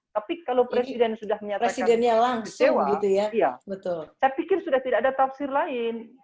tapi kalau presiden sudah menyatakan saya pikir sudah tidak ada tafsir lain